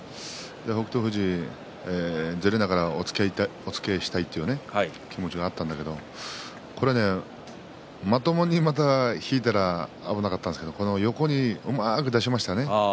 北勝富士、ずれながら押っつけをしたいという気持ちがあったんだけどこれね、まともに引いたらば危なかったですけど横にうまく出しましたね。